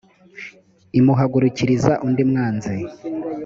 imuhagurukiriza undi mwanzi